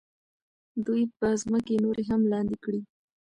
دوی به ځمکې نورې هم لاندې کړي.